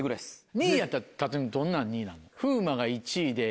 ２位やったら例えばどんな２位なの？